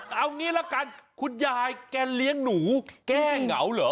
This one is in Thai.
เอางี้ละกันคุณยายแกเลี้ยงหนูแก้เหงาเหรอ